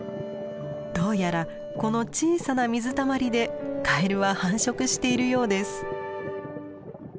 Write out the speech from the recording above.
どうやらこの小さな水たまりでカエルは繁殖しているようです。